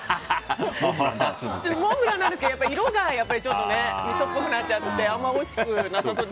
モンブランなんですけど色がちょっとみそっぽくなっちゃっておいしくなさそうに。